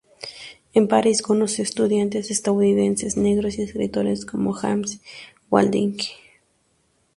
En París, conoció a estudiantes estadounidenses negros y escritores como James Baldwin.